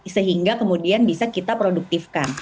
sehingga kemudian bisa kita produktifkan